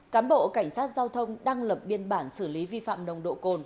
cám bộ cảnh sát giao thông đang lập biên bản xử lý vi phạm nồng độ cồn